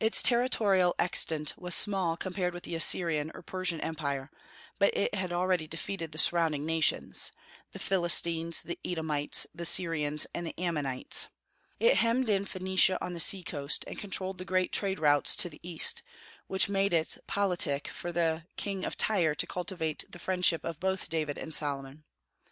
Its territorial extent was small compared with the Assyrian or Persian empire; but it had already defeated the surrounding nations, the Philistines, the Edomites, the Syrians, and the Ammonites. It hemmed in Phoenicia on the sea coast, and controlled the great trade routes to the East, which made it politic for the King of Tyre to cultivate the friendship of both David and Solomon.